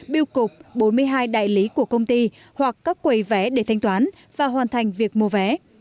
biêu cục bốn mươi hai đại lý của công ty hoặc các quầy vé để thanh toán và hoàn thành việc mua vé